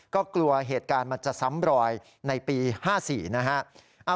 ก็กลัวเหตุการณ์มันจะซ้ำรอยในปี๕๔นะฮะ